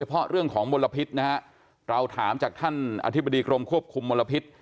เพราะเรื่องของมลพิษนะฮะเราถามจากท่านอธิบดีกรมควบคุมมลพิษ